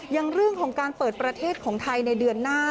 เรื่องของการเปิดประเทศของไทยในเดือนหน้า